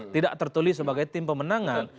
tidak tertulis sebagai tim pemenangan